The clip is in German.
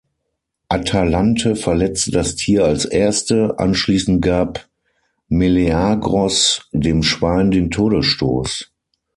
Atalante verletzte das Tier als Erste, anschließend gab Meleagros dem Schwein den Todesstoß.